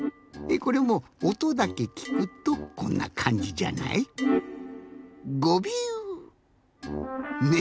これもおとだけきくとこんなかんじじゃない？ね？